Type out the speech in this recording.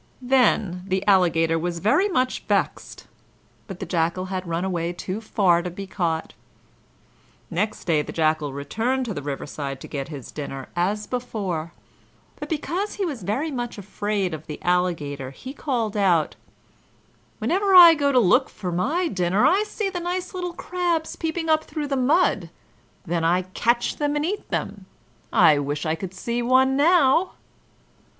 Then the Alligator was very much vexed, but the Jackal had run away too far to be caught. Next day the Jackal returned to the riverside to get his dinner as before; but because he was very much afraid of the Alligator he called out: "Whenever I go to look for my dinner, I see the nice little crabs peeping up through the mud; then I catch them and eat them. I wish I could see one now."